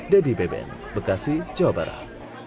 dedy beben bekasi jawa barat